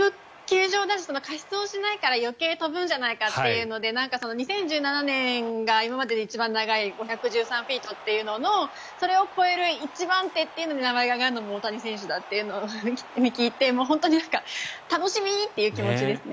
加湿をしないから余計飛ぶんじゃないかということで、２０１７年が今までで一番長い５１３フィートというのを超える一番てっぺんに名前が挙がるのが大谷選手だというのを聞いて楽しみという気持ちですね。